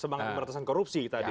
semangat pemberantasan korupsi tadi